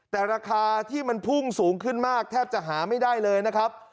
แต่ราคาที่มันพุ่งสูงขึ้นมากแทบจะหาไม่ได้เลยนะครับ